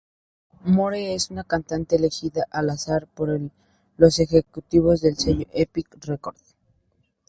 Moore es una cantante elegida al alzar por los ejecutivos de sello Epic Records.